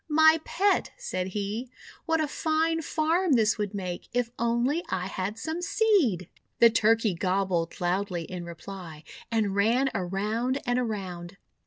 'My Pet!' said he, "what a fine farm this would make, if only I had some seed!' The Turkey gobbled loudly in reply, and ran around and around.